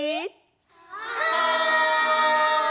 はい！